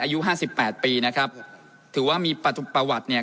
อายุห้าสิบแปดปีนะครับถือว่ามีประวัติเนี่ย